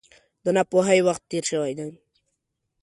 د ناپوهۍ وخت تېر شوی دی.